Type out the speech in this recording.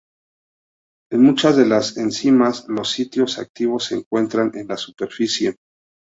En muchas de las enzimas, los sitios activos se encuentran en la superficie.